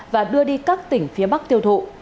và đưa đi các tỉnh phía bắc tiêu thụ